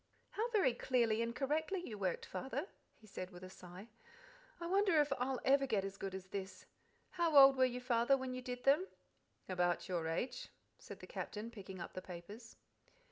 "How very clearly and correctly you worked, Father," he said with a sigh. "I wonder if ever I'll get as good as this! How old were you, Father, when you did them?" "About your age," said the Captain, picking up the papers.